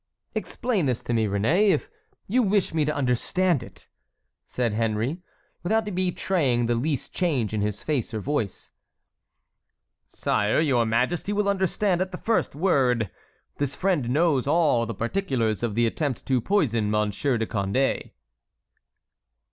"Explain this to me, Réné, if you wish me to understand it," said Henry, without betraying the least change in his face or voice. "Sire, your majesty will understand at the first word. This friend knows all the particulars of the attempt to poison Monseigneur de Condé."